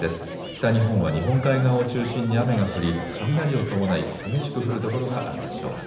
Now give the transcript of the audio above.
北日本は日本海側を中心に雨が降り雷を伴い激しく降る所があるでしょう。